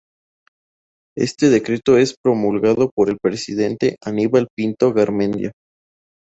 Este decreto es promulgado por el presidente Aníbal Pinto Garmendia.